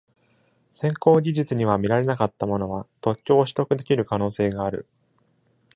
先行技術には見られなかったものは特許を取得できる可能性がある。